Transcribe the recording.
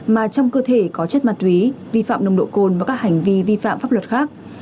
mà trong cơ thể có chất ma túy vi phạm nồng độ cồn và các hành vi vi phạm pháp luật khác